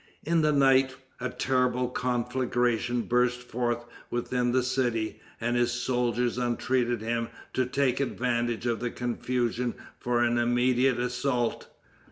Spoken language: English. In the night, a terrible conflagration burst forth within the city, and his soldiers entreated him to take advantage of the confusion for an immediate assault.